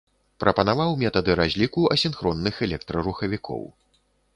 Прапанаваў метады разліку асінхронных электрарухавікоў.